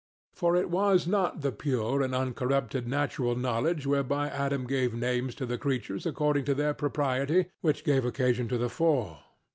For it was not that pure and uncorrupted natural knowledge whereby Adam gave names to the creatures according to their propriety, which gave occasion to the fall.